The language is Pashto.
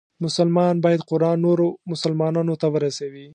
مسلمان باید قرآن نورو مسلمانانو ته ورسوي.